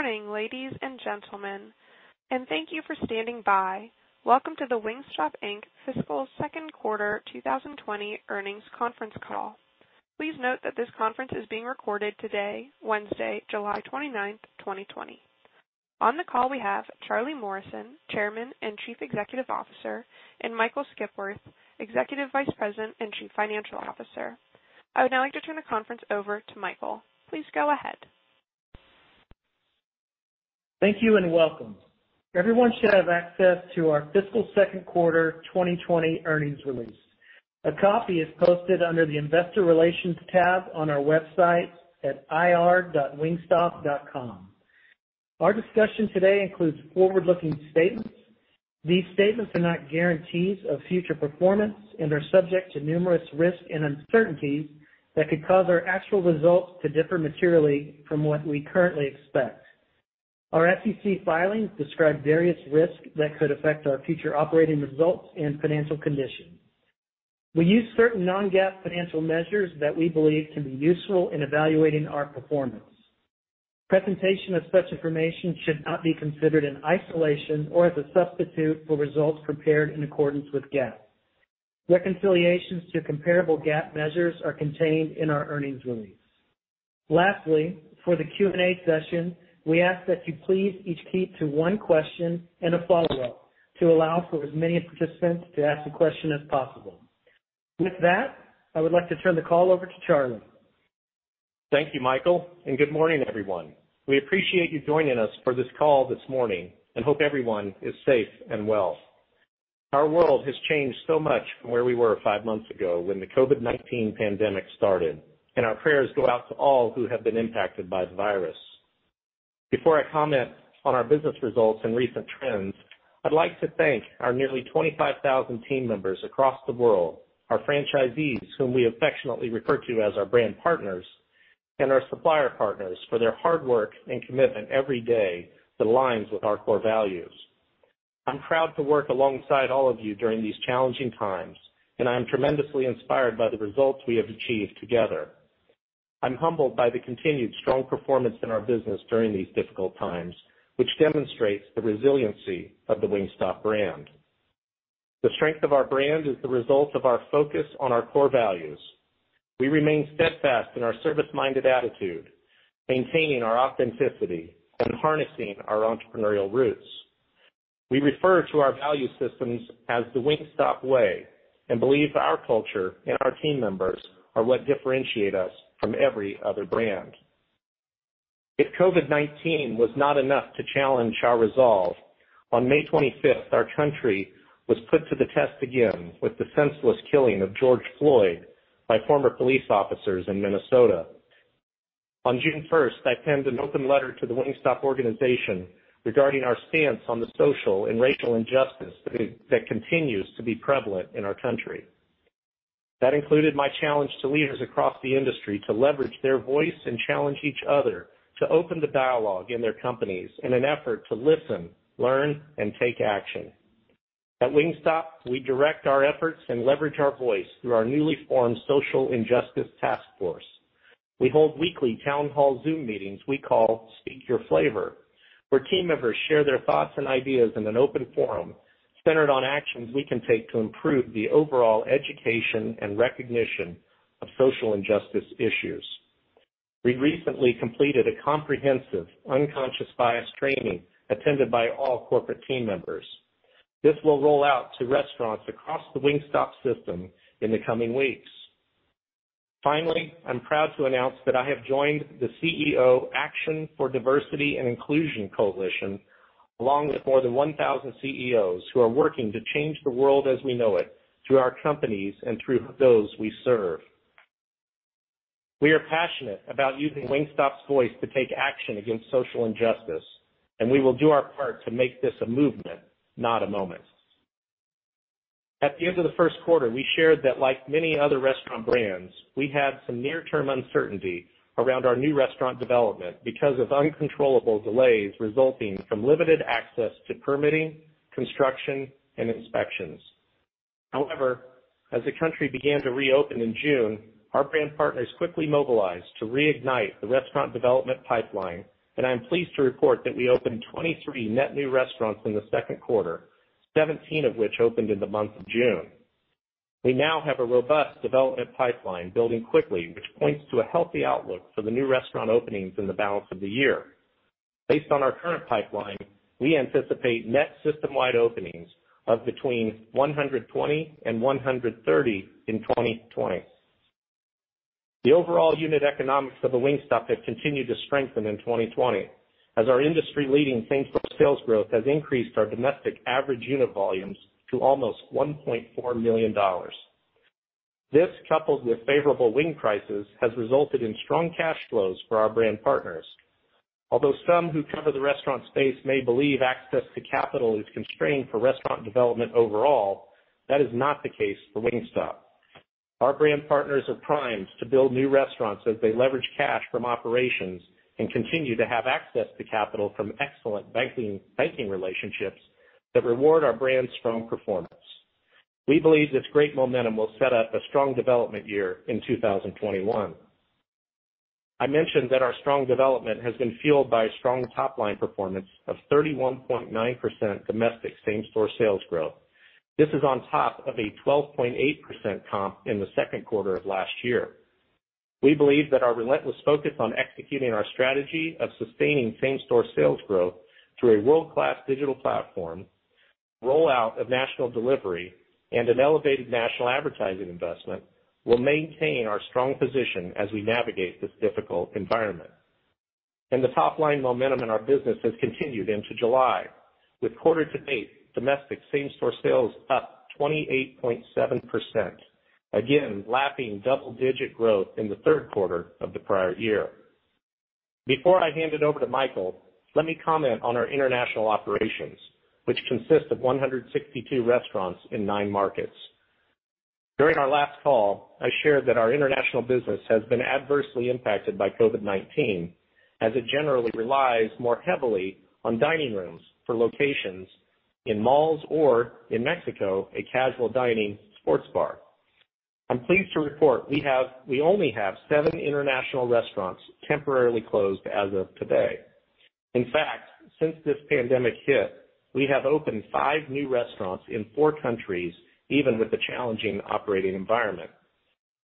Good morning, ladies and gentlemen, and thank you for standing by. Welcome to the Wingstop Inc. fiscal second quarter 2020 earnings conference call. Please note that this conference is being recorded today, Wednesday, July 29, 2020. On the call, we have Charlie Morrison, Chairman and Chief Executive Officer, and Michael Skipworth, Executive Vice President and Chief Financial Officer. I would now like to turn the conference over to Michael. Please go ahead. Thank you, and welcome. Everyone should have access to our fiscal second quarter 2020 earnings release. A copy is posted under the Investor Relations tab on our website at ir.wingstop.com. Our discussion today includes forward-looking statements. These statements are not guarantees of future performance and are subject to numerous risks and uncertainties that could cause our actual results to differ materially from what we currently expect. Our SEC filings describe various risks that could affect our future operating results and financial condition. We use certain non-GAAP financial measures that we believe can be useful in evaluating our performance. Presentation of such information should not be considered in isolation or as a substitute for results prepared in accordance with GAAP. Reconciliations to comparable GAAP measures are contained in our earnings release. Lastly, for the Q&A session, we ask that you please each keep to one question and a follow-up to allow for as many participants to ask a question as possible. With that, I would like to turn the call over to Charlie. Thank you, Michael, and good morning, everyone. We appreciate you joining us for this call this morning and hope everyone is safe and well. Our world has changed so much from where we were 5 months ago when the COVID-19 pandemic started, and our prayers go out to all who have been impacted by the virus. Before I comment on our business results and recent trends, I'd like to thank our nearly 25,000 team members across the world, our franchisees, whom we affectionately refer to as our brand partners, and our supplier partners for their hard work and commitment every day that aligns with our core values. I'm proud to work alongside all of you during these challenging times, and I am tremendously inspired by the results we have achieved together. I'm humbled by the continued strong performance in our business during these difficult times, which demonstrates the resiliency of the Wingstop brand. The strength of our brand is the result of our focus on our core values. We remain steadfast in our service-minded attitude, maintaining our authenticity, and harnessing our entrepreneurial roots. We refer to our value systems as the Wingstop Way and believe our culture and our team members are what differentiate us from every other brand. If COVID-19 was not enough to challenge our resolve, on May 25th, our country was put to the test again with the senseless killing of George Floyd by former police officers in Minnesota. On June 1st, I penned an open letter to the Wingstop organization regarding our stance on the social and racial injustice that continues to be prevalent in our country. That included my challenge to leaders across the industry to leverage their voice and challenge each other to open the dialogue in their companies in an effort to listen, learn, and take action. At Wingstop, we direct our efforts and leverage our voice through our newly formed social injustice task force. We hold weekly town hall Zoom meetings we call Speak Your Flavor, where team members share their thoughts and ideas in an open forum centered on actions we can take to improve the overall education and recognition of social injustice issues. We recently completed a comprehensive unconscious bias training attended by all corporate team members. This will roll out to restaurants across the Wingstop system in the coming weeks. Finally, I'm proud to announce that I have joined the CEO Action for Diversity & Inclusion Coalition, along with more than 1,000 CEOs who are working to change the world as we know it, through our companies and through those we serve. We are passionate about using Wingstop's voice to take action against social injustice, and we will do our part to make this a movement, not a moment. At the end of the first quarter, we shared that like many other restaurant brands, we had some near-term uncertainty around our new restaurant development because of uncontrollable delays resulting from limited access to permitting, construction, and inspections. As the country began to reopen in June, our brand partners quickly mobilized to reignite the restaurant development pipeline, and I am pleased to report that we opened 23 net new restaurants in the second quarter, 17 of which opened in the month of June. We now have a robust development pipeline building quickly, which points to a healthy outlook for the new restaurant openings in the balance of the year. Based on our current pipeline, we anticipate net systemwide openings of between 120 and 130 in 2020. The overall unit economics of Wingstop have continued to strengthen in 2020 as our industry-leading same-store sales growth has increased our domestic average unit volumes to almost $1.4 million. This, coupled with favorable wing prices, has resulted in strong cash flows for our brand partners. Although some who cover the restaurant space may believe access to capital is constrained for restaurant development overall, that is not the case for Wingstop. Our brand partners are primed to build new restaurants as they leverage cash from operations and continue to have access to capital from excellent banking relationships that reward our brand's strong performance. We believe this great momentum will set up a strong development year in 2021. I mentioned that our strong development has been fueled by strong top-line performance of 31.9% domestic same-store sales growth. This is on top of a 12.8% comp in the second quarter of last year. We believe that our relentless focus on executing our strategy of sustaining same-store sales growth through a world-class digital platform, rollout of national delivery, and an elevated national advertising investment will maintain our strong position as we navigate this difficult environment. The top-line momentum in our business has continued into July, with quarter to date domestic same-store sales up 28.7%, again, lapping double-digit growth in the third quarter of the prior year. Before I hand it over to Michael, let me comment on our international operations, which consist of 162 restaurants in nine markets. During our last call, I shared that our international business has been adversely impacted by COVID-19, as it generally relies more heavily on dining rooms for locations in malls, or in Mexico, a casual dining sports bar. I'm pleased to report we only have seven international restaurants temporarily closed as of today. In fact, since this pandemic hit, we have opened five new restaurants in four countries, even with the challenging operating environment.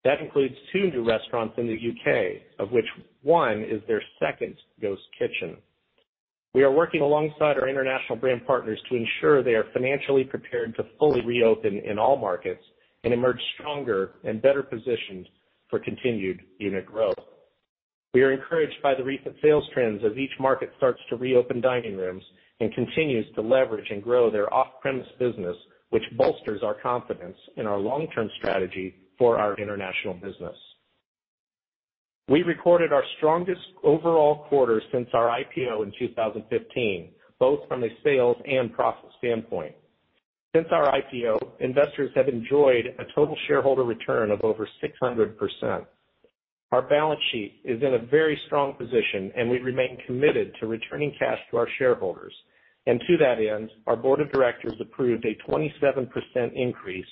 That includes two new restaurants in the U.K., of which one is their second ghost kitchen. We are working alongside our international brand partners to ensure they are financially prepared to fully reopen in all markets and emerge stronger and better positioned for continued unit growth. We are encouraged by the recent sales trends as each market starts to reopen dining rooms and continues to leverage and grow their off-premise business, which bolsters our confidence in our long-term strategy for our international business. We recorded our strongest overall quarter since our IPO in 2015, both from a sales and profit standpoint. Since our IPO, investors have enjoyed a total shareholder return of over 600%. Our balance sheet is in a very strong position, and we remain committed to returning cash to our shareholders. To that end, our Board of Directors approved a 27% increase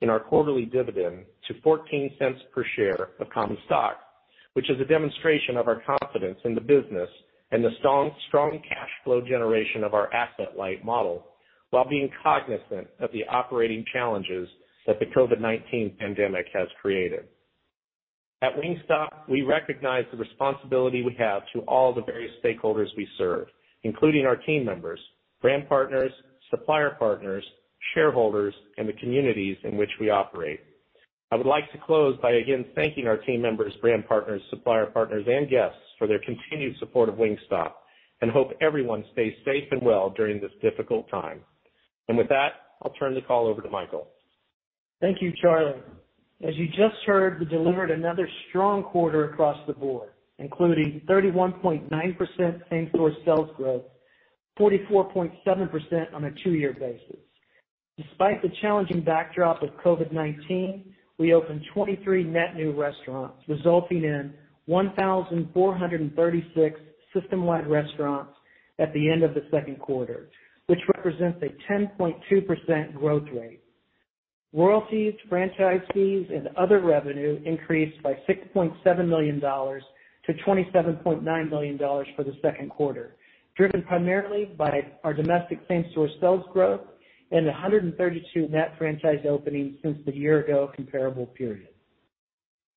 in our quarterly dividend to $0.14 per share of common stock, which is a demonstration of our confidence in the business and the strong cash flow generation of our asset-light model while being cognizant of the operating challenges that the COVID-19 pandemic has created. At Wingstop, we recognize the responsibility we have to all the various stakeholders we serve, including our team members, brand partners, supplier partners, shareholders, and the communities in which we operate. I would like to close by again thanking our team members, brand partners, supplier partners, and guests for their continued support of Wingstop, and hope everyone stays safe and well during this difficult time. With that, I'll turn the call over to Michael. Thank you, Charlie. As you just heard, we delivered another strong quarter across the board, including 31.9% same-store sales growth, 44.7% on a two-year basis. Despite the challenging backdrop of COVID-19, we opened 23 net new restaurants, resulting in 1,436 systemwide restaurants at the end of the second quarter, which represents a 10.2% growth rate. Royalties, franchise fees, and other revenue increased by $6.7 million to $27.9 million for the second quarter, driven primarily by our domestic same-store sales growth and 132 net franchise openings since the year ago comparable period.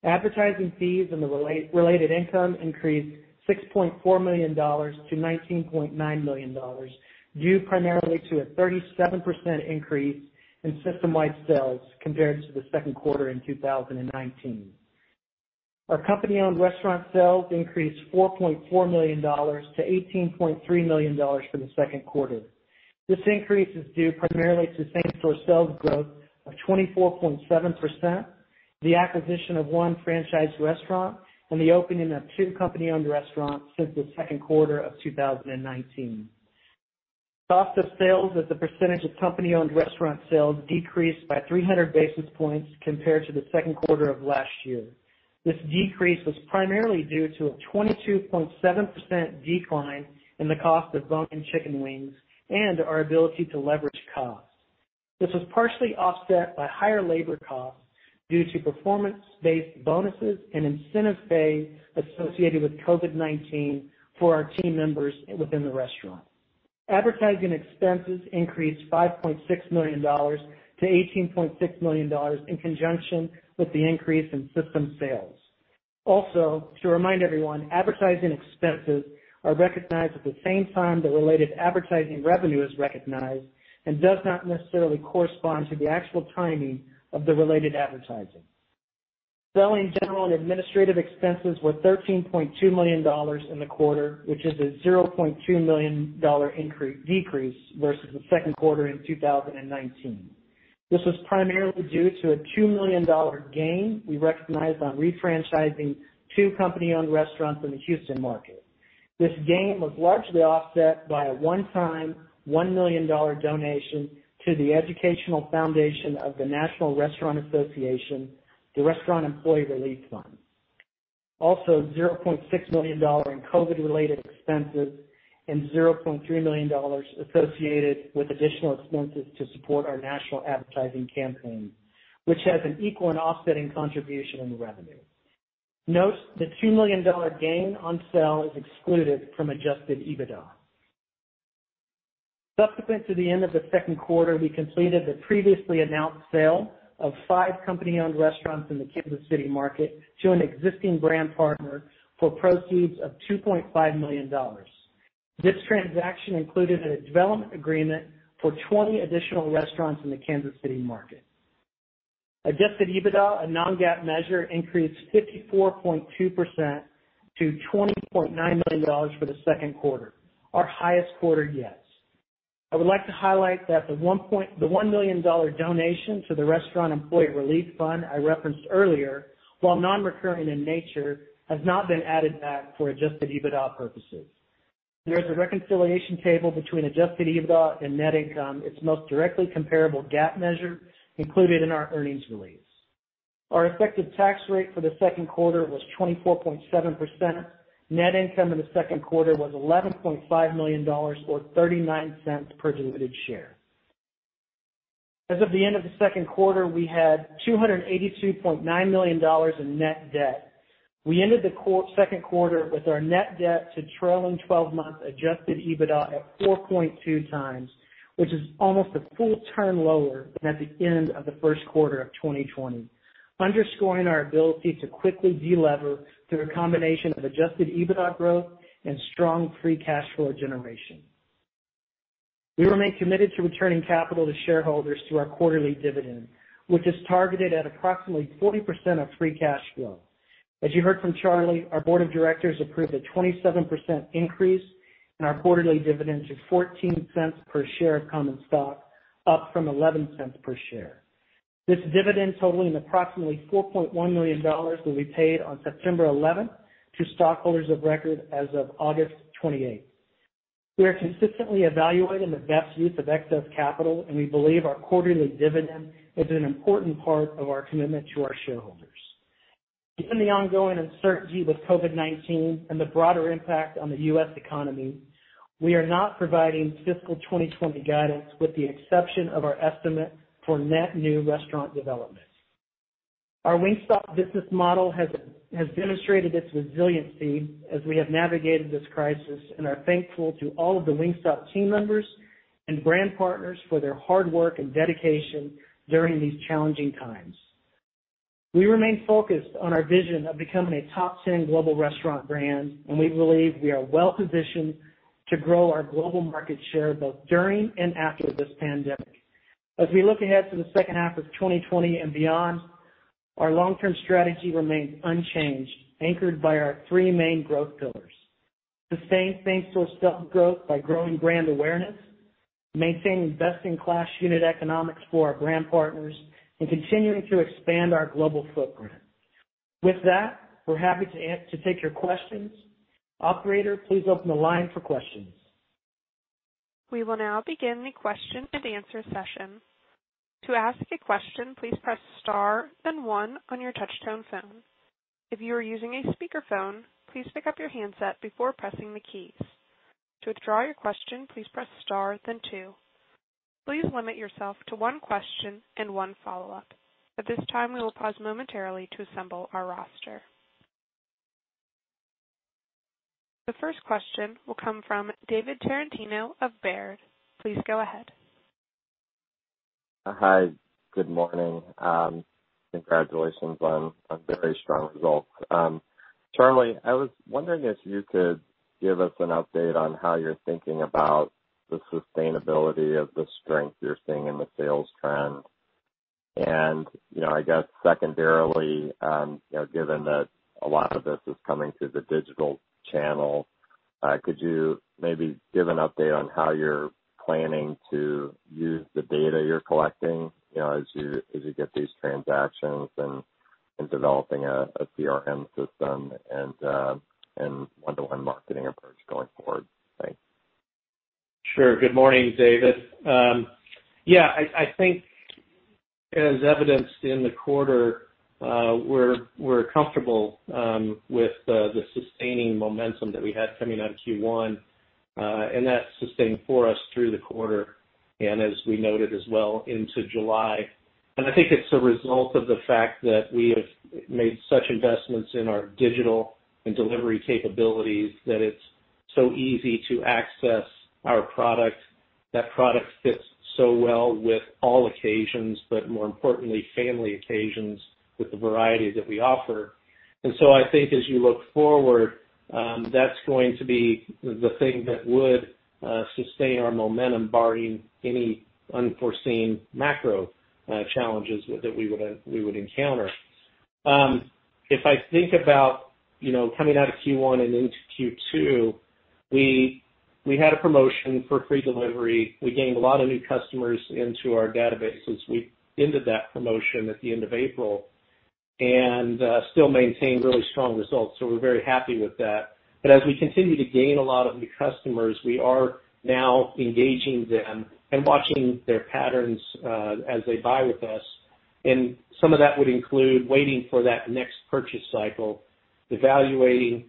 Advertising fees and the related income increased $6.4 million to $19.9 million, due primarily to a 37% increase in systemwide sales compared to the second quarter in 2019. Our company-owned restaurant sales increased $4.4 million to $18.3 million for the second quarter. This increase is due primarily to same-store sales growth of 24.7%, the acquisition of one franchise restaurant, and the opening of two company-owned restaurants since the second quarter of 2019. Cost of sales as a percentage of company-owned restaurant sales decreased by 300 basis points compared to the second quarter of last year. This decrease was primarily due to a 22.7% decline in the cost of bone-in chicken wings and our ability to leverage costs. This was partially offset by higher labor costs due to performance-based bonuses and incentive pay associated with COVID-19 for our team members within the restaurant. Advertising expenses increased $5.6 million to $18.6 million in conjunction with the increase in system sales. Also, to remind everyone, advertising expenses are recognized at the same time that related advertising revenue is recognized and does not necessarily correspond to the actual timing of the related advertising. Selling, general, and administrative expenses were $13.2 million in the quarter, which is a $0.2 million decrease versus the second quarter in 2019. This was primarily due to a $2 million gain we recognized on refranchising two company-owned restaurants in the Houston market. This gain was largely offset by a one-time $1 million donation to the Educational Foundation of the National Restaurant Association, the Restaurant Employee Relief Fund. Also, $0.6 million in COVID-related expenses and $0.3 million associated with additional expenses to support our national advertising campaign, which has an equal and offsetting contribution in the revenue. Note, the $2 million gain on sale is excluded from adjusted EBITDA. Subsequent to the end of the second quarter, we completed the previously announced sale of five company-owned restaurants in the Kansas City market to an existing brand partner for proceeds of $2.5 million. This transaction included a development agreement for 20 additional restaurants in the Kansas City market. Adjusted EBITDA, a non-GAAP measure, increased 54.2% to $20.9 million for the second quarter, our highest quarter yet. I would like to highlight that the $1 million donation to the Restaurant Employee Relief Fund I referenced earlier, while non-recurring in nature, has not been added back for adjusted EBITDA purposes. There is a reconciliation table between adjusted EBITDA and net income, its most directly comparable GAAP measure, included in our earnings release. Our effective tax rate for the second quarter was 24.7%. Net income in the second quarter was $11.5 million or $0.39 per diluted share. As of the end of the second quarter, we had $282.9 million in net debt. We ended the second quarter with our net debt to trailing 12-month adjusted EBITDA at 4.2 times, which is almost a full turn lower than at the end of the first quarter of 2020, underscoring our ability to quickly de-lever through a combination of adjusted EBITDA growth and strong free cash flow generation. We remain committed to returning capital to shareholders through our quarterly dividend, which is targeted at approximately 40% of free cash flow. As you heard from Charlie, our board of directors approved a 27% increase in our quarterly dividend to $0.14 per share of common stock, up from $0.11 per share. This dividend totaling approximately $4.1 million will be paid on September 11th to stockholders of record as of August 28th. We are consistently evaluating the best use of excess capital, and we believe our quarterly dividend is an important part of our commitment to our shareholders. Given the ongoing uncertainty with COVID-19 and the broader impact on the U.S. economy, we are not providing fiscal 2020 guidance with the exception of our estimate for net new restaurant development. Our Wingstop business model has demonstrated its resiliency as we have navigated this crisis and are thankful to all of the Wingstop team members and brand partners for their hard work and dedication during these challenging times. We remain focused on our vision of becoming a top 10 global restaurant brand, and we believe we are well positioned to grow our global market share both during and after this pandemic. As we look ahead to the second half of 2020 and beyond, our long-term strategy remains unchanged, anchored by our three main growth pillars. Sustaining same-store sales growth by growing brand awareness, maintaining best-in-class unit economics for our brand partners, and continuing to expand our global footprint. With that, we're happy to take your questions. Operator, please open the line for questions. We will now begin the question and answer session. To ask a question, please press star then one on your touch tone phone. If you are using a speakerphone, please pick up your handset before pressing the keys. To withdraw your question, please press star then two. Please limit yourself to one question and one follow-up. At this time, we will pause momentarily to assemble our roster. The first question will come from David Tarantino of Baird. Please go ahead. Hi. Good morning. Congratulations on very strong results. Charlie, I was wondering if you could give us an update on how you're thinking about the sustainability of the strength you're seeing in the sales trends. I guess secondarily, given that a lot of this is coming through the digital channel, could you maybe give an update on how you're planning to use the data you're collecting as you get these transactions and developing a CRM system and one-to-one marketing approach going forward? Thanks. Sure. Good morning, David. I think as evidenced in the quarter, we're comfortable with the sustaining momentum that we had coming out of Q1, and that sustained for us through the quarter, as we noted as well into July. I think it's a result of the fact that we have made such investments in our digital and delivery capabilities that it's so easy to access our product. That product fits so well with all occasions, but more importantly, family occasions with the variety that we offer. I think as you look forward, that's going to be the thing that would sustain our momentum barring any unforeseen macro challenges that we would encounter. If I think about coming out of Q1 and into Q2, we had a promotion for free delivery. We gained a lot of new customers into our databases. We ended that promotion at the end of April and still maintained really strong results, so we're very happy with that. As we continue to gain a lot of new customers, we are now engaging them and watching their patterns as they buy with us. Some of that would include waiting for that next purchase cycle, evaluating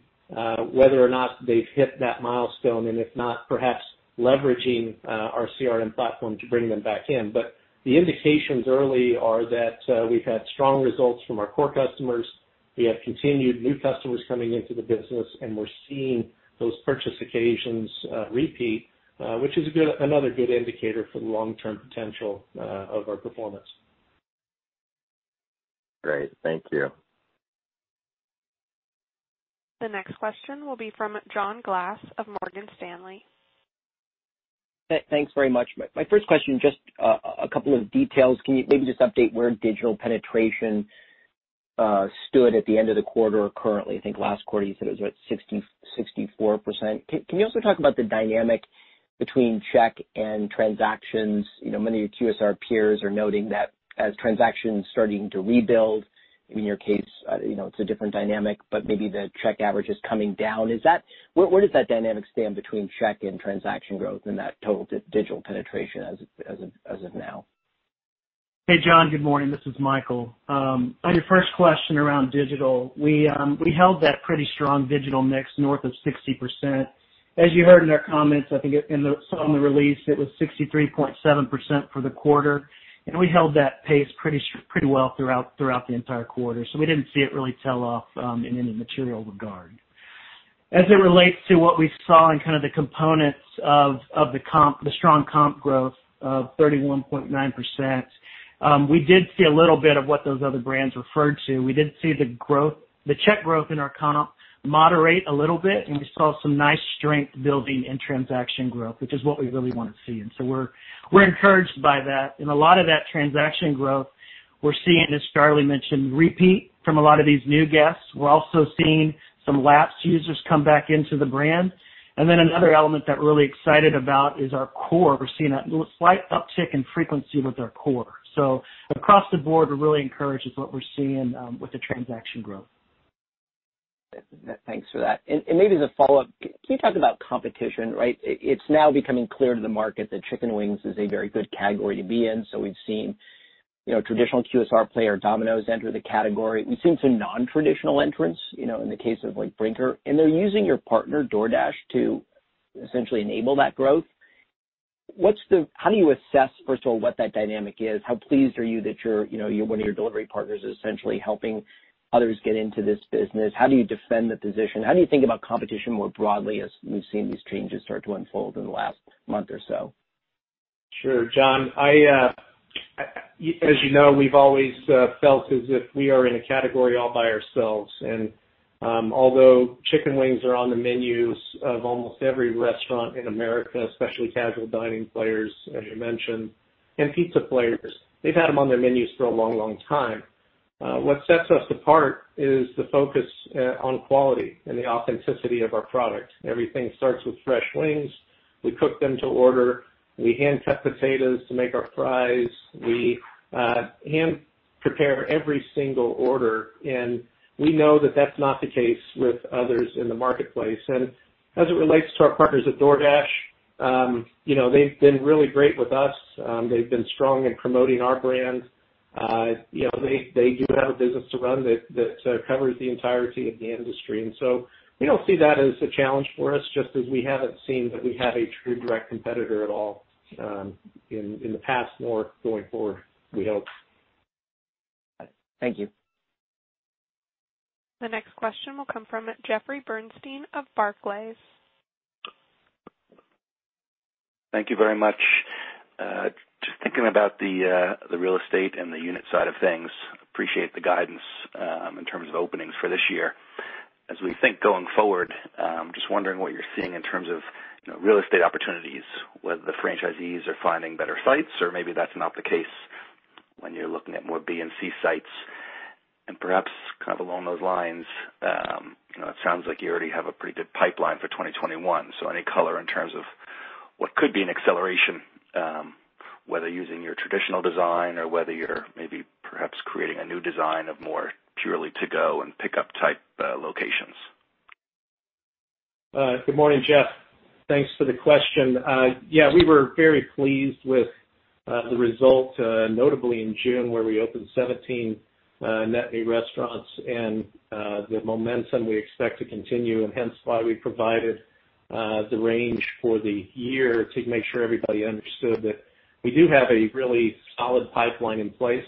whether or not they've hit that milestone, and if not, perhaps leveraging our CRM platform to bring them back in. The indications early are that we've had strong results from our core customers. We have continued new customers coming into the business, and we're seeing those purchase occasions repeat, which is another good indicator for the long-term potential of our performance. Great. Thank you. The next question will be from John Glass of Morgan Stanley. Thanks very much. My first question, just a couple of details. Can you maybe just update where digital penetration stood at the end of the quarter or currently? I think last quarter you said it was, what, 64%? Can you also talk about the dynamic between check and transactions? Many of your QSR peers are noting that as transactions starting to rebuild, in your case, it's a different dynamic, but maybe the check average is coming down. Where does that dynamic stand between check and transaction growth and that total digital penetration as of now? Hey, John. Good morning. This is Michael. On your first question around digital, we held that pretty strong digital mix north of 60%. As you heard in our comments, I think in the summary release, it was 63.7% for the quarter, and we held that pace pretty well throughout the entire quarter. We didn't see it really tail off in any material regard. As it relates to what we saw in kind of the components of the strong comp growth of 31.9%, we did see a little bit of what those other brands referred to. We did see the check growth in our comp moderate a little bit, and we saw some nice strength building in transaction growth, which is what we really want to see, and so we're encouraged by that. A lot of that transaction growth we're seeing, as Charlie mentioned, repeat from a lot of these new guests. We're also seeing some lapsed users come back into the brand. Another element that we're really excited about is our core. We're seeing a slight uptick in frequency with our core. Across the board, we're really encouraged with what we're seeing with the transaction growth. Thanks for that. Maybe as a follow-up, can we talk about competition, right? It's now becoming clear to the market that chicken wings is a very good category to be in. We've seen traditional QSR player Domino's enter the category. We've seen some non-traditional entrants in the case of Brinker, and they're using your partner, DoorDash, to essentially enable that growth. How do you assess, first of all, what that dynamic is? How pleased are you that one of your delivery partners is essentially helping others get into this business? How do you defend the position? How do you think about competition more broadly as we've seen these changes start to unfold in the last month or so? Sure. John, as you know, we've always felt as if we are in a category all by ourselves. Although chicken wings are on the menus of almost every restaurant in America, especially casual dining players, as you mentioned, and pizza players, they've had them on their menus for a long time. What sets us apart is the focus on quality and the authenticity of our product. Everything starts with fresh wings. We cook them to order. We hand cut potatoes to make our fries. We hand prepare every single order, and we know that that's not the case with others in the marketplace. As it relates to our partners at DoorDash, they've been really great with us. They've been strong in promoting our brand. They do have a business to run that covers the entirety of the industry. We don't see that as a challenge for us, just as we haven't seen that we have a true direct competitor at all in the past, nor going forward, we hope. Thank you. The next question will come from Jeffrey Bernstein of Barclays. Thank you very much. Just thinking about the real estate and the unit side of things, appreciate the guidance in terms of openings for this year. As we think going forward, just wondering what you're seeing in terms of real estate opportunities, whether the franchisees are finding better sites, or maybe that's not the case when you're looking at more B and C sites. Perhaps kind of along those lines, it sounds like you already have a pretty good pipeline for 2021. Any color in terms of what could be an acceleration, whether using your traditional design or whether you're maybe perhaps creating a new design of more purely to-go and pick-up type locations. Good morning, Jeff. Thanks for the question. Yeah, we were very pleased with the result notably in June where we opened 17 net new restaurants and the momentum we expect to continue, and hence why we provided the range for the year to make sure everybody understood that we do have a really solid pipeline in place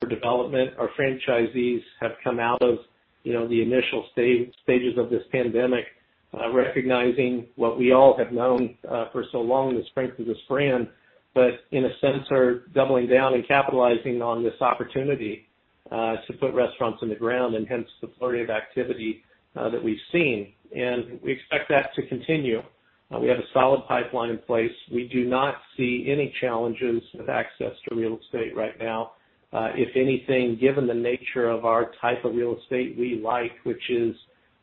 for development. Our franchisees have come out of the initial stages of this pandemic recognizing what we all have known for so long, the strength of this brand. In a sense, are doubling down and capitalizing on this opportunity to put restaurants in the ground, and hence the flurry of activity that we've seen, and we expect that to continue. We have a solid pipeline in place. We do not see any challenges with access to real estate right now. If anything, given the nature of our type of real estate we like, which is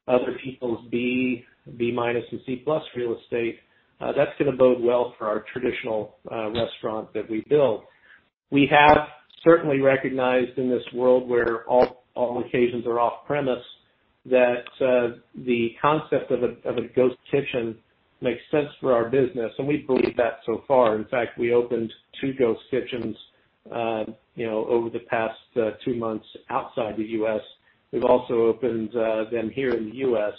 other people's B minus, and C plus real estate, that's going to bode well for our traditional restaurant that we build. We have certainly recognized in this world where all occasions are off-premise, that the concept of a ghost kitchen makes sense for our business, and we believe that so far. In fact, we opened two ghost kitchens over the past two months outside the U.S. We've also opened them here in the U.S.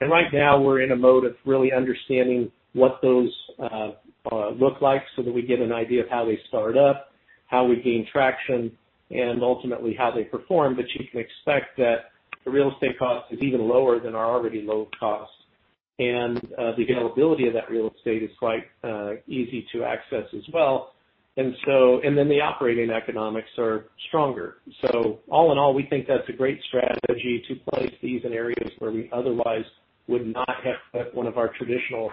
Right now we're in a mode of really understanding what those look like so that we get an idea of how they start up, how we gain traction, and ultimately how they perform. You can expect that the real estate cost is even lower than our already low costs. The availability of that real estate is quite easy to access as well. The operating economics are stronger. All in all, we think that's a great strategy to place these in areas where we otherwise would not have one of our traditional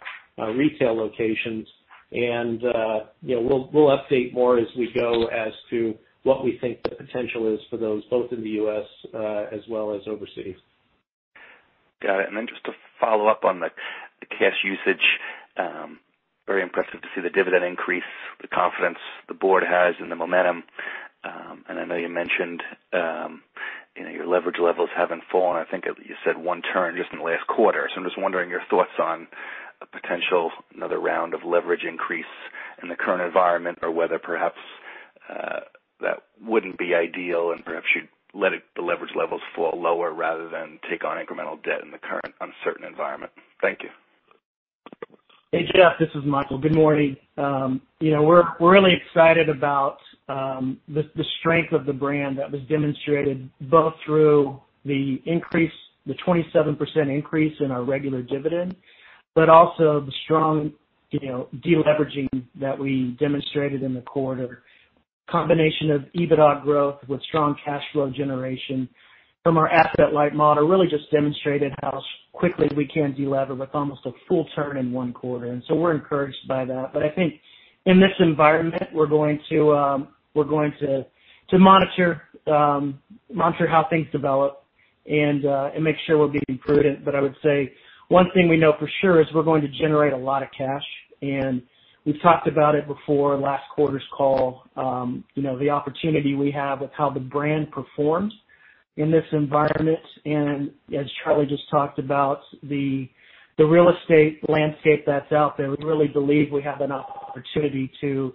retail locations. We'll update more as we go as to what we think the potential is for those, both in the U.S. as well as overseas. Got it. Just to follow up on the cash usage. Very impressive to see the dividend increase, the confidence the Board has, and the momentum. I know you mentioned your leverage levels haven't fallen. I think you said one turn just in the last quarter. I'm just wondering your thoughts on a potential another round of leverage increase in the current environment or whether perhaps that wouldn't be ideal and perhaps you'd let the leverage levels fall lower rather than take on incremental debt in the current uncertain environment. Thank you. Hey, Jeff, this is Michael. Good morning. We're really excited about the strength of the brand that was demonstrated both through the 27% increase in our regular dividend, but also the strong de-leveraging that we demonstrated in the quarter. Combination of EBITDA growth with strong cash flow generation from our asset-light model really just demonstrated how quickly we can de-lever with almost a full turn in one quarter. We're encouraged by that. I think in this environment, we're going to monitor how things develop and make sure we're being prudent. I would say one thing we know for sure is we're going to generate a lot of cash, and we've talked about it before, last quarter's call, the opportunity we have with how the brand performs in this environment. As Charlie just talked about, the real estate landscape that's out there, we really believe we have an opportunity to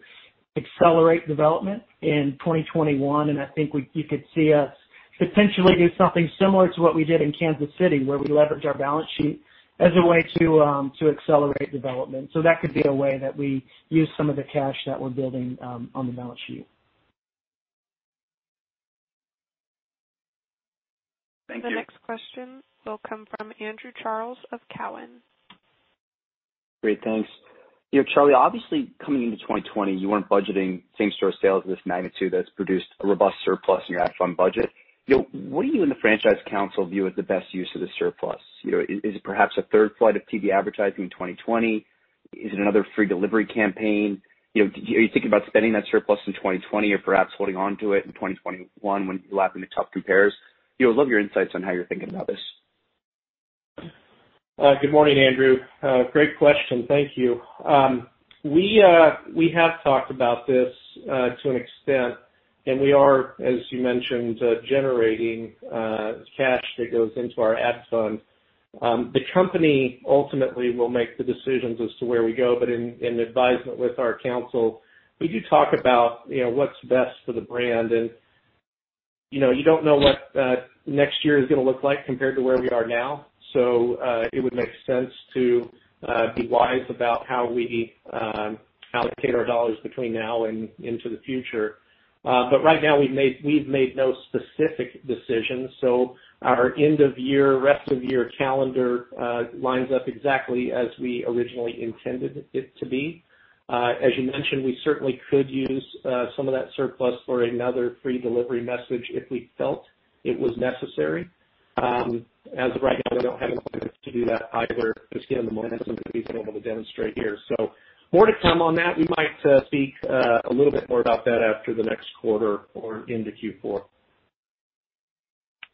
accelerate development in 2021. I think you could see us potentially do something similar to what we did in Kansas City, where we leveraged our balance sheet as a way to accelerate development. That could be a way that we use some of the cash that we're building on the balance sheet. Thank you. The next question will come from Andrew Charles of Cowen. Great. Thanks. Charlie, obviously, coming into 2020, you weren't budgeting same-store sales of this magnitude that's produced a robust surplus in your ad fund budget. What do you and the franchise council view as the best use of the surplus? Is it perhaps a third flight of TV advertising in 2020? Is it another free delivery campaign? Are you thinking about spending that surplus in 2020 or perhaps holding onto it in 2021 when lapping the top compares? Love your insights on how you're thinking about this. Good morning, Andrew. Great question. Thank you. We have talked about this to an extent. We are, as you mentioned, generating cash that goes into our ad fund. The company ultimately will make the decisions as to where we go, in advisement with our council, we do talk about what's best for the brand. You don't know what next year is going to look like compared to where we are now. It would make sense to be wise about how we allocate our dollars between now and into the future. Right now we've made no specific decisions. Our end of year, rest of year calendar lines up exactly as we originally intended it to be. As you mentioned, we certainly could use some of that surplus for another free delivery message if we felt it was necessary. As of right now, we don't have any plans to do that either, just given the momentum that we've been able to demonstrate here. More to come on that. We might speak a little bit more about that after the next quarter or into Q4.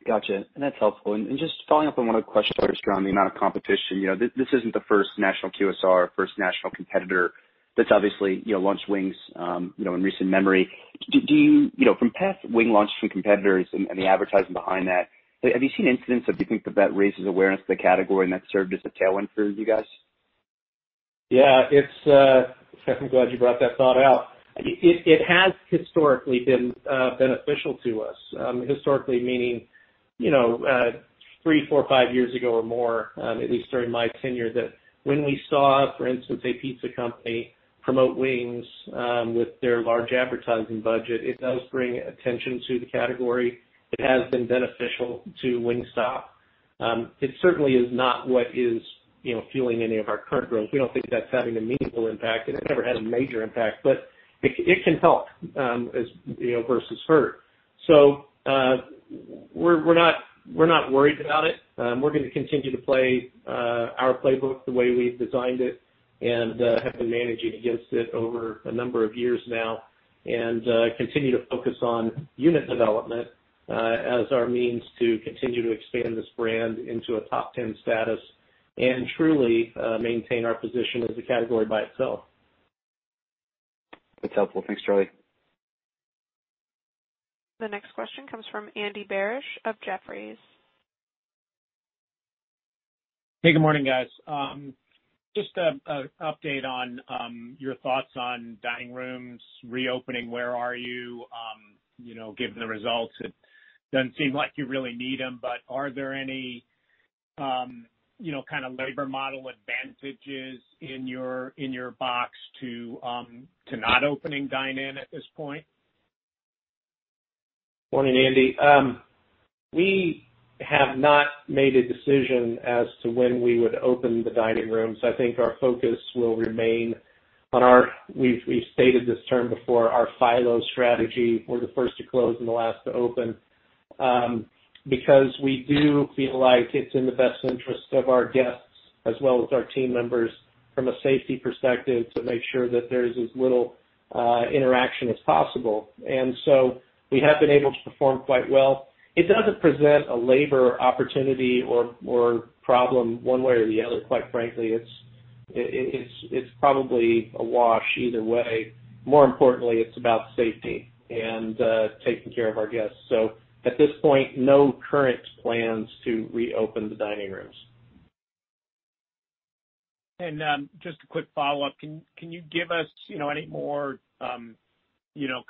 Got you. That's helpful. Just following up on one of the questions around the amount of competition. This isn't the first national QSR, first national competitor that's obviously launched wings in recent memory. From past wing launches from competitors and the advertising behind that, have you seen incidents that you think that raises awareness of the category and that served as a tailwind for you guys? Yeah. I'm glad you brought that thought out. It has historically been beneficial to us. Historically meaning three, four, five years ago or more, at least during my tenure, that when we saw, for instance, a pizza company promote wings with their large advertising budget, it does bring attention to the category. It has been beneficial to Wingstop. It certainly is not what is fueling any of our current growth. We don't think that's having a meaningful impact, and it never had a major impact, but it can help versus hurt. We're not worried about it. We're going to continue to play our playbook the way we've designed it and have been managing against it over a number of years now and continue to focus on unit development as our means to continue to expand this brand into a top 10 status and truly maintain our position as a category by itself. That's helpful. Thanks, Charlie. The next question comes from Andy Barish of Jefferies. Hey, good morning, guys, just an update on your thoughts on dining rooms reopening. Where are you given the results? It doesn't seem like you really need them, but are there any kind of labor model advantages in your box to not opening dine-in at this point? Morning, Andy. We have not made a decision as to when we would open the dining rooms. I think our focus will remain on our, we've stated this term before, our FILO strategy. We're the first to close and the last to open, because we do feel like it's in the best interest of our guests as well as our team members from a safety perspective to make sure that there's as little interaction as possible. We have been able to perform quite well. It doesn't present a labor opportunity or problem one way or the other, quite frankly. It's probably a wash either way. More importantly, it's about safety and taking care of our guests. At this point, no current plans to reopen the dining rooms. Just a quick follow-up. Can you give us any more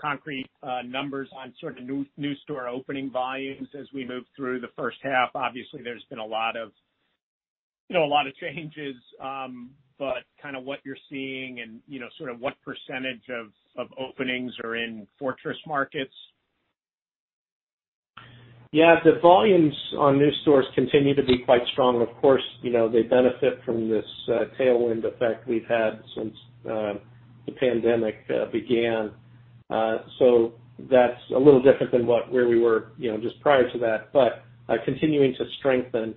concrete numbers on sort of new store opening volumes as we move through the first half? Obviously, there's been a lot of changes, but kind of what you're seeing and sort of what percentage of openings are in fortress markets. Yeah. The volumes on new stores continue to be quite strong. Of course, they benefit from this tailwind effect we've had since the pandemic began. That's a little different than where we were just prior to that, but continuing to strengthen.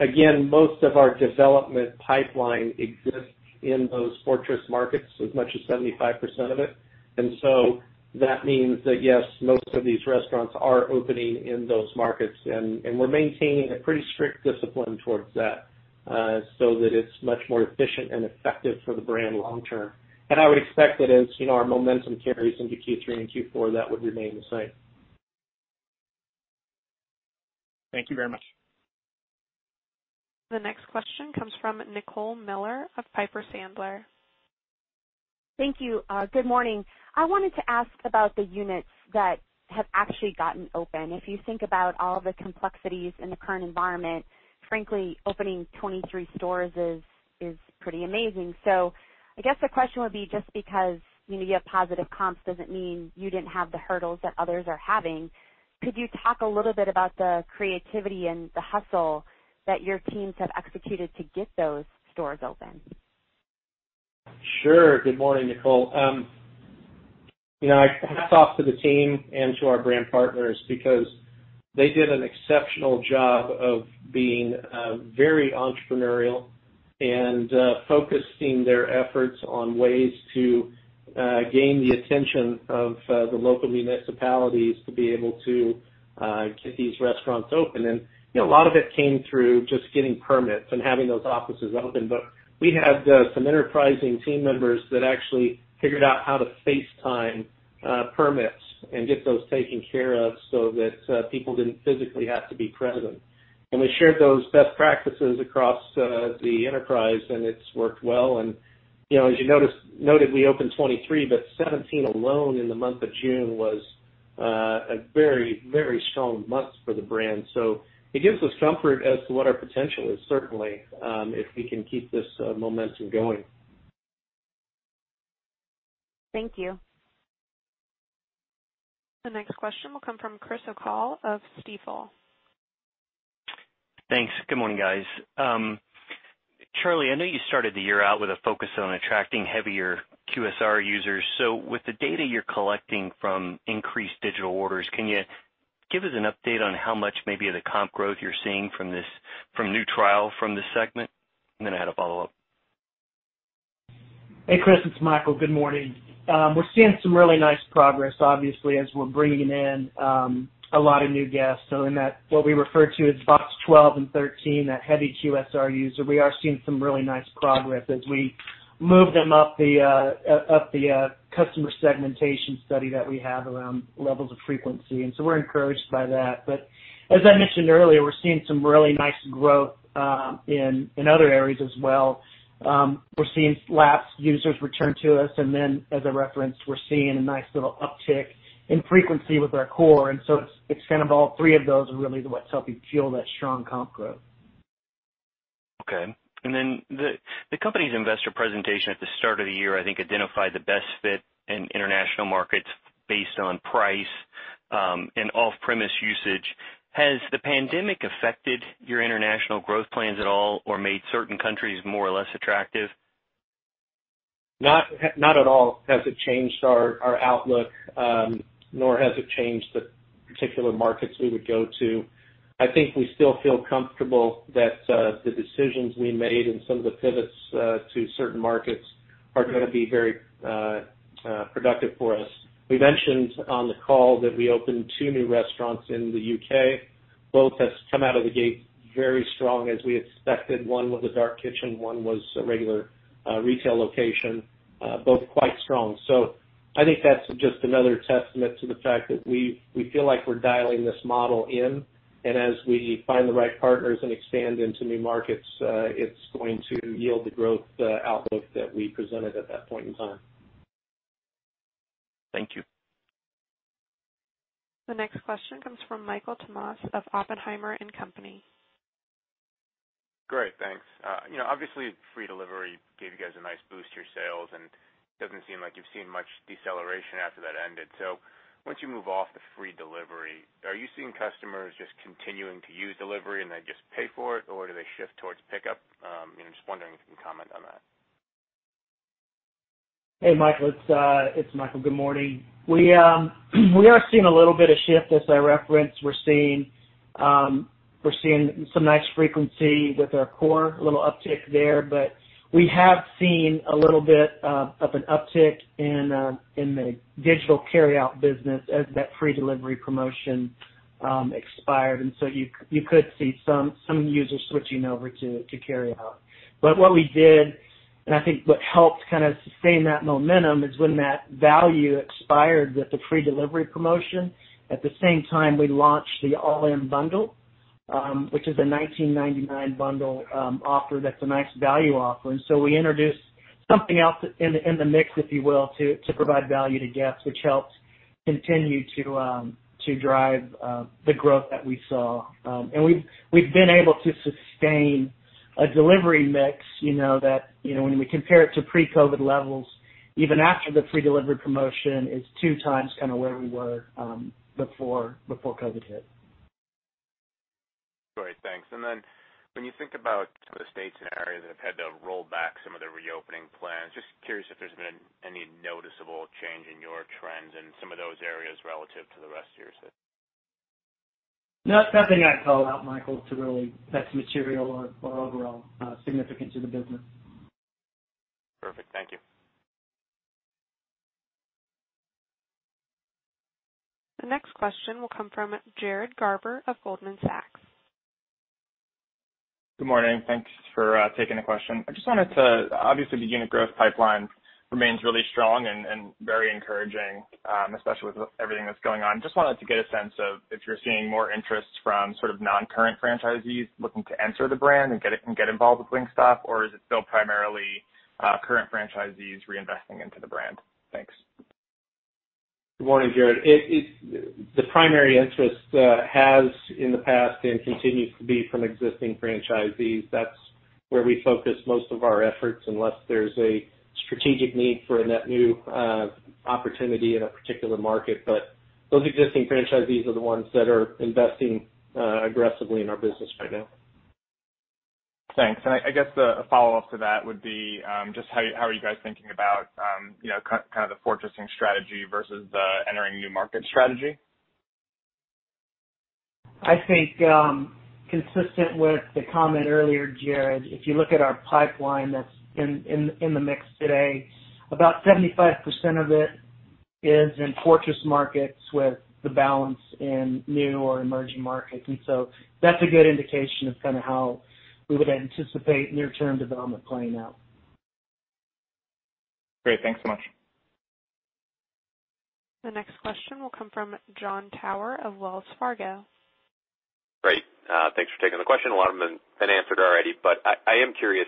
Again, most of our development pipeline exists in those fortress markets, as much as 75% of it. That means that, yes, most of these restaurants are opening in those markets, and we're maintaining a pretty strict discipline towards that, so that it's much more efficient and effective for the brand long term. I would expect that as our momentum carries into Q3 and Q4, that would remain the same. Thank you very much. The next question comes from Nicole Miller of Piper Sandler. Thank you. Good morning. I wanted to ask about the units that have actually gotten open. If you think about all the complexities in the current environment, frankly, opening 23 stores is pretty amazing. I guess the question would be, just because you have positive comps doesn't mean you didn't have the hurdles that others are having. Could you talk a little bit about the creativity and the hustle that your teams have executed to get those stores open? Sure. Good morning, Nicole. Hats off to the team and to our brand partners because they did an exceptional job of being very entrepreneurial and focusing their efforts on ways to gain the attention of the local municipalities to be able to get these restaurants open. A lot of it came through just getting permits and having those offices open. We had some enterprising team members that actually figured out how to FaceTime permits and get those taken care of so that people didn't physically have to be present. We shared those best practices across the enterprise, and it's worked well. As you noted, we opened 23, but 17 alone in the month of June was a very strong month for the brand. It gives us comfort as to what our potential is, certainly, if we can keep this momentum going. Thank you. The next question will come from Chris O'Cull of Stifel. Thanks. Good morning, guys. Charlie, I know you started the year out with a focus on attracting heavier QSR users. With the data you're collecting from increased digital orders, can you give us an update on how much maybe of the comp growth you're seeing from new trial from this segment? Then I had a follow-up. Hey, Chris, it's Michael. Good morning. We're seeing some really nice progress, obviously, as we're bringing in a lot of new guests. In that, what we refer to as box 12 and 13, that heavy QSR user, we are seeing some really nice progress as we move them up the customer segmentation study that we have around levels of frequency. We're encouraged by that. As I mentioned earlier, we're seeing some really nice growth in other areas as well. We're seeing lapsed users return to us. As a reference, we're seeing a nice little uptick in frequency with our core. It's kind of all three of those are really what's helping fuel that strong comp growth. Okay. The company's investor presentation at the start of the year, I think, identified the best fit in international markets based on price and off-premise usage. Has the pandemic affected your international growth plans at all or made certain countries more or less attractive? Not at all has it changed our outlook, nor has it changed the particular markets we would go to. I think we still feel comfortable that the decisions we made and some of the pivots to certain markets are going to be very productive for us. We mentioned on the call that we opened two new restaurants in the U.K. Both have come out of the gate very strong, as we expected. One was a dark kitchen, one was a regular retail location. Both quite strong. I think that's just another testament to the fact that we feel like we're dialing this model in, and as we find the right partners and expand into new markets, it's going to yield the growth outlook that we presented at that point in time. Thank you. The next question comes from Michael Tamas of Oppenheimer & Company. Great. Thanks. Free delivery gave you guys a nice boost to your sales, and it doesn't seem like you've seen much deceleration after that ended. Once you move off the free delivery, are you seeing customers just continuing to use delivery and they just pay for it, or do they shift towards pickup? I'm just wondering if you can comment on that. Hey, Michael, it's Michael. Good morning. We are seeing a little bit of shift, as I referenced. We're seeing some nice frequency with our core, a little uptick there, but we have seen a little bit of an uptick in the digital carryout business as that free delivery promotion expired. You could see some users switching over to carryout. What we did, and I think what helped sustain that momentum, is when that value expired with the free delivery promotion, at the same time, we launched the All-In Bundle, which is a $19.99 bundle offer that's a nice value offer. We introduced something else in the mix, if you will, to provide value to guests, which helped continue to drive the growth that we saw. We've been able to sustain a delivery mix that, when we compare it to pre-COVID levels, even after the free delivery promotion, is two times where we were before COVID hit. Great. Thanks. When you think about some of the states and areas that have had to roll back some of their reopening plans, just curious if there's been any noticeable change in your trends in some of those areas relative to the rest of your sites. Nothing I'd call out, Michael, to really that's material or overall significant to the business. Perfect. Thank you. The next question will come from Jared Garber of Goldman Sachs. Good morning. Thanks for taking the question. Obviously, the unit growth pipeline remains really strong and very encouraging, especially with everything that's going on. Just wanted to get a sense of if you're seeing more interest from non-current franchisees looking to enter the brand and get involved with Wingstop, or is it still primarily current franchisees reinvesting into the brand? Thanks. Good morning, Jared. The primary interest has in the past, and continues to be from existing franchisees. That's where we focus most of our efforts, unless there's a strategic need for a net new opportunity in a particular market. Those existing franchisees are the ones that are investing aggressively in our business right now. Thanks. I guess a follow-up to that would be just how are you guys thinking about the fortressing strategy versus the entering new market strategy? I think, consistent with the comment earlier, Jared, if you look at our pipeline that's in the mix today, about 75% of it is in fortress markets with the balance in new or emerging markets. That's a good indication of how we would anticipate near-term development playing out. Great. Thanks so much. The next question will come from Jon Tower of Wells Fargo. Great. Thanks for taking the question. A lot of them have been answered already. I am curious.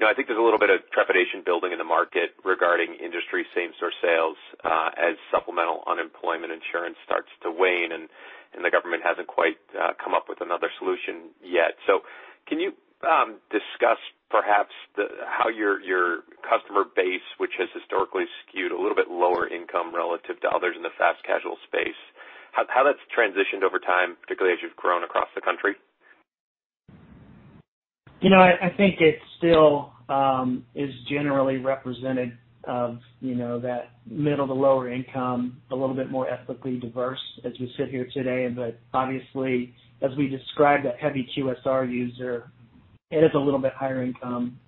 I think there's a little bit of trepidation building in the market regarding industry same-store sales as supplemental unemployment insurance starts to wane and the government hasn't quite come up with another solution yet. Can you discuss perhaps how your customer base, which has historically skewed a little bit lower income relative to others in the fast-casual space, how that's transitioned over time, particularly as you've grown across the country? I think it still is generally representative of that middle to lower income, a little bit more ethnically diverse as we sit here today. Obviously, as we described that heavy QSR user, it is a little bit higher income,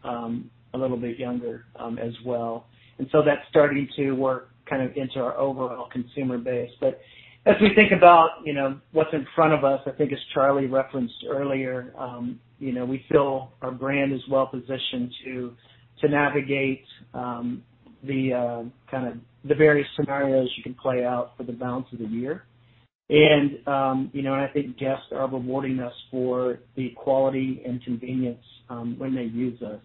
a little bit younger as well. That's starting to work into our overall consumer base. As we think about what's in front of us, I think as Charlie referenced earlier, we feel our brand is well positioned to navigate the various scenarios you can play out for the balance of the year. I think guests are rewarding us for the quality and convenience when they use us.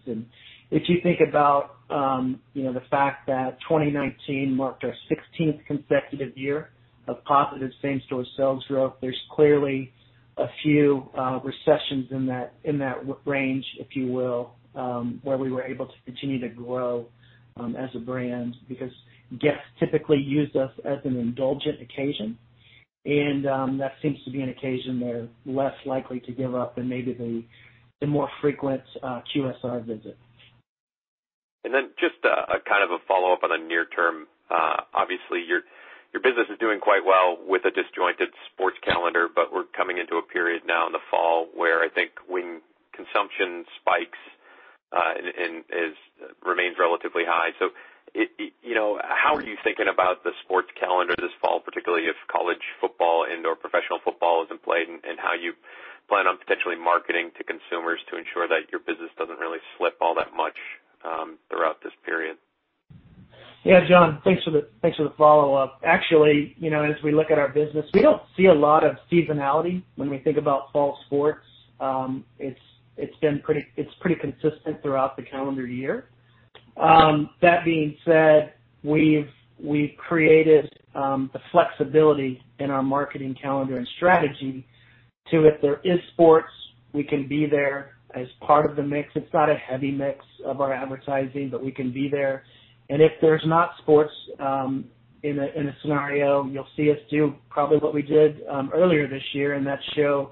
If you think about the fact that 2019 marked our 16th consecutive year of positive same-store sales growth, there's clearly a few recessions in that range, if you will, where we were able to continue to grow as a brand because guests typically use us as an indulgent occasion. That seems to be an occasion they're less likely to give up than maybe the more frequent QSR visit. Just a follow-up on the near term. Obviously, your business is doing quite well with a disjointed sports calendar, but we're coming into a period now in the fall where I think wing consumption spikes remains relatively high. How are you thinking about the sports calendar this fall, particularly if college football and/or professional football isn't played, and how you plan on potentially marketing to consumers to ensure that your business doesn't really slip all that much throughout this period? Yeah, Jon, thanks for the follow-up. Actually, as we look at our business, we don't see a lot of seasonality when we think about fall sports. It's pretty consistent throughout the calendar year. That being said, we've created the flexibility in our marketing calendar and strategy to, if there is sports, we can be there as part of the mix. It's not a heavy mix of our advertising, but we can be there. If there's not sports, in a scenario, you'll see us do probably what we did earlier this year, and that show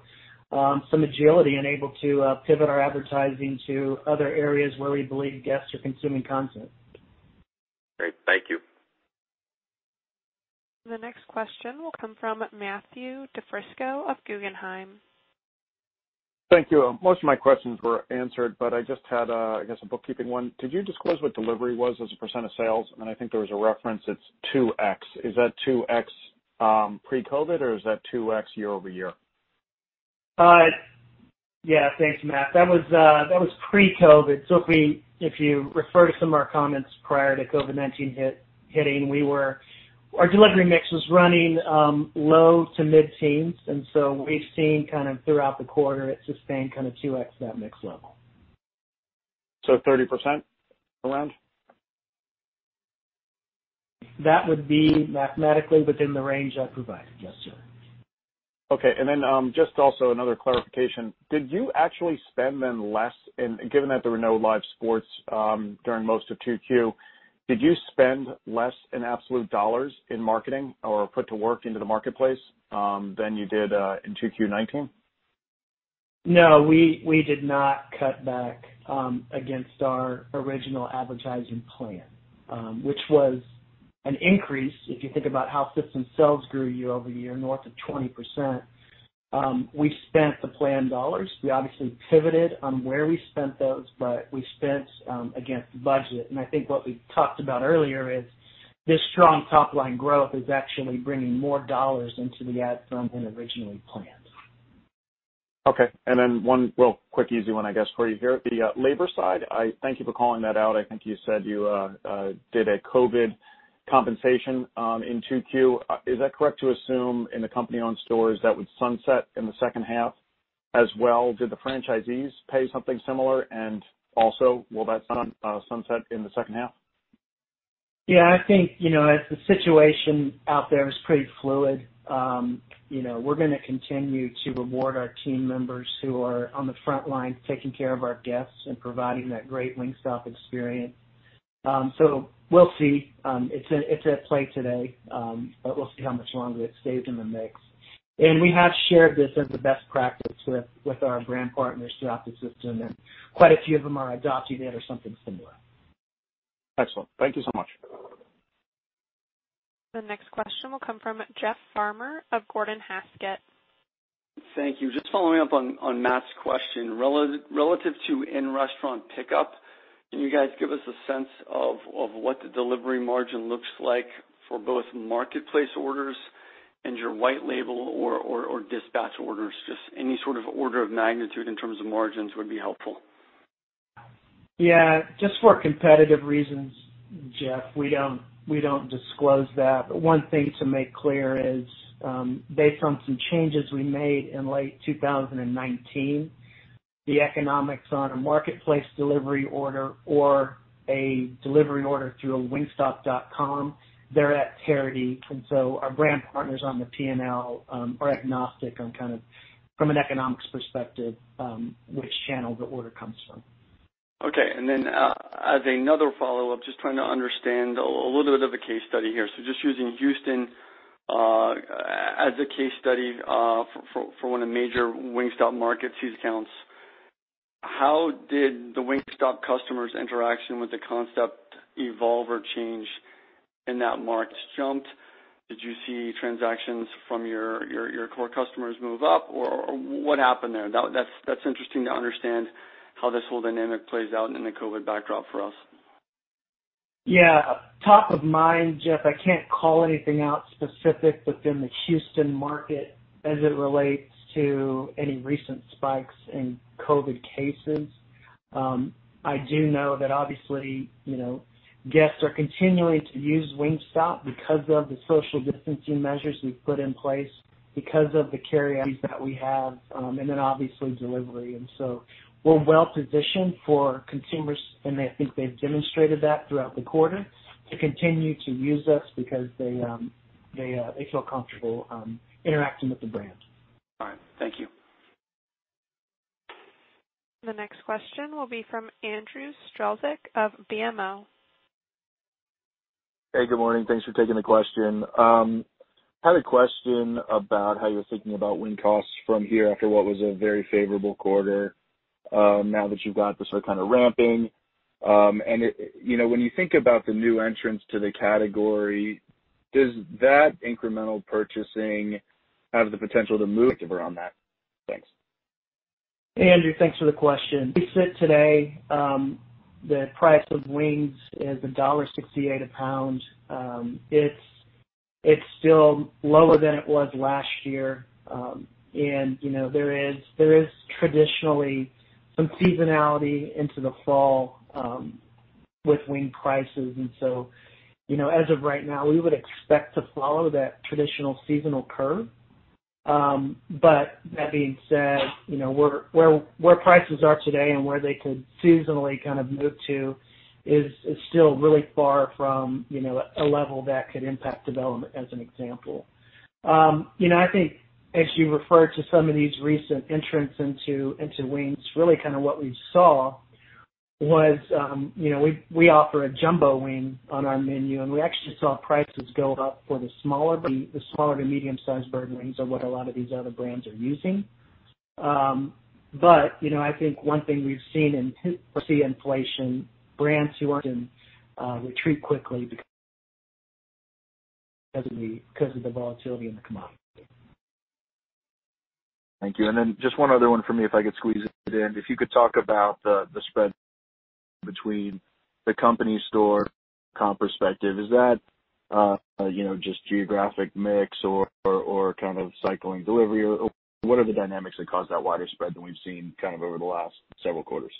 some agility and able to pivot our advertising to other areas where we believe guests are consuming content. Great. Thank you. The next question will come from Matthew DiFrisco of Guggenheim. Thank you. Most of my questions were answered, but I just had, I guess, a bookkeeping one. Could you disclose what delivery was as a percent of sales? I think there was a reference, it's 2x. Is that 2x pre-COVID, or is that 2x year-over-year? Yeah. Thanks, Matt. That was pre-COVID. If you refer to some of our comments prior to COVID-19 hitting, our delivery mix was running low to mid-teens. We've seen kind of throughout the quarter, it sustained 2x that mix level. 30% around? That would be mathematically within the range I provided. Yes, sir. Okay. Just also another clarification. Did you actually spend then less, and given that there were no live sports during most of Q2, did you spend less in absolute dollars in marketing or put to work into the marketplace than you did in Q2 2019? No, we did not cut back against our original advertising plan, which was an increase, if you think about how system sales grew year-over-year, north of 20%. We spent the planned dollars. We obviously pivoted on where we spent those, but we spent against the budget. I think what we talked about earlier is this strong top-line growth is actually bringing more dollars into the ad fund than originally planned. Okay. Well, one quick, easy one, I guess, for you here. The labor side, thank you for calling that out. I think you said you did a COVID compensation in Q2. Is that correct to assume in the company-owned stores that would sunset in the second half as well? Did the franchisees pay something similar? Will that sunset in the second half? I think, as the situation out there is pretty fluid, we're going to continue to reward our team members who are on the front line taking care of our guests and providing that great Wingstop experience. We'll see. It's at play today, but we'll see how much longer it stays in the mix. We have shared this as a best practice with our brand partners throughout the system, and quite a few of them are adopting it or something similar. Excellent. Thank you so much. The next question will come from Jeff Farmer of Gordon Haskett. Thank you. Just following up on Matt's question. Relative to in-restaurant pickup, can you guys give us a sense of what the delivery margin looks like for both marketplace orders and your white label or dispatch orders? Just any sort of order of magnitude in terms of margins would be helpful. Yeah. Just for competitive reasons, Jeff, we don't disclose that. One thing to make clear is, based on some changes we made in late 2019, the economics on a marketplace delivery order or a delivery order through a wingstop.com, they're at parity. Our brand partners on the P&L are agnostic on kind of from an economics perspective, which channel the order comes from. Okay. As another follow-up, just trying to understand a little bit of a case study here. Just using Houston as a case study for one of the major Wingstop markets accounts. How did the Wingstop customers interaction with the concept evolve or change in that mark jumped? Did you see transactions from your core customers move up, or what happened there? That's interesting to understand how this whole dynamic plays out in the COVID backdrop for us. Yeah. Top of mind, Jeff, I can't call anything out specific within the Houston market as it relates to any recent spikes in COVID cases. I do know that obviously, guests are continuing to use Wingstop because of the social distancing measures we've put in place, because of the carryout fees that we have, and then obviously delivery. We're well-positioned for consumers, and I think they've demonstrated that throughout the quarter to continue to use us because they feel comfortable interacting with the brand. All right. Thank you. The next question will be from Andrew Strelzik of BMO. Hey, good morning. Thanks for taking the question. Had a question about how you're thinking about wing costs from here after what was a very favorable quarter. Now that you've got to start kind of ramping. When you think about the new entrants to the category, does that incremental purchasing have the potential to move around that? Thanks. Andrew, thanks for the question. We said today, the price of wings is $1.68 a pound. It's still lower than it was last year. There is traditionally some seasonality into the fall with wing prices. As of right now, we would expect to follow that traditional seasonal curve. That being said, where prices are today and where they could seasonally move to is still really far from a level that could impact development, as an example. I think as you refer to some of these recent entrants into wings, really what we saw was, we offer a jumbo wing on our menu, and we actually saw prices go up for the smaller to medium-sized bird wings are what a lot of these other brands are using. I think one thing we've seen in history, inflation, brands that retreat quickly because of the volatility in the commodity. Thank you. Just one other one for me, if I could squeeze it in. If you could talk about the spread between the company store comp perspective, is that just geographic mix or kind of cycling delivery, or what are the dynamics that cause that wider spread than we've seen over the last several quarters?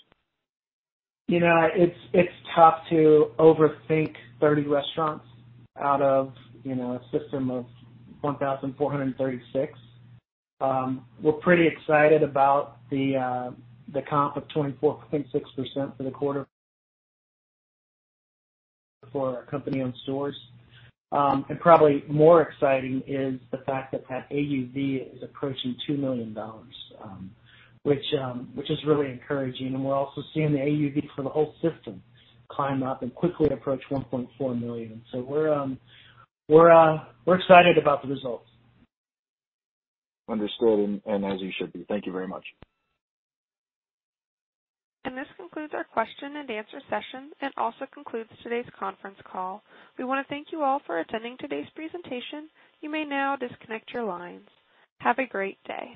It's tough to overthink 30 restaurants out of a system of 1,436. We're pretty excited about the comp of 24.6% for the quarter for our company-owned stores. Probably more exciting is the fact that that AUV is approaching $2 million, which is really encouraging. We're also seeing the AUV for the whole system climb up and quickly approach $1.4 million. We're excited about the results. Understood, as you should be. Thank you very much. This concludes our question and answer session, and also concludes today's conference call. We want to thank you all for attending today's presentation. You may now disconnect your lines. Have a great day.